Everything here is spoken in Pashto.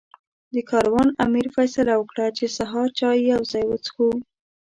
د کاروان امیر فیصله وکړه چې سهار چای یو ځای وڅښو.